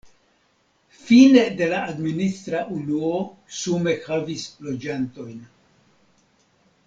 Fine de la administra unuo sume havis loĝantojn.